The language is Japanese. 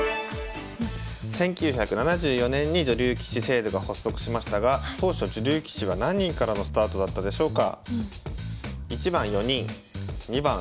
１９７４年に女流棋士制度が発足しましたが当初女流棋士は何人からのスタートだったでしょうか。